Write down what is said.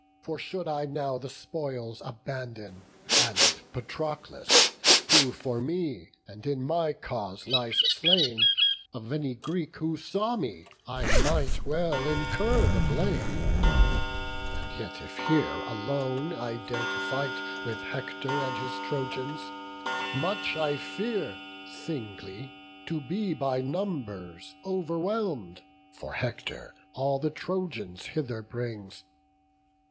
for should I now the spoils Abandon, and Patroclus, who for me And in my cause lies slain, of any Greek Who saw me, I might well incur the blame: And yet if here alone I dare to fight With Hector and his Trojans, much I fear, Singly, to be by numbers overwhelm'd; For Hector all the Trojans hither brings.